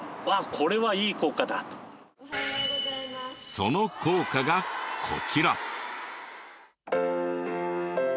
その校歌がこちら。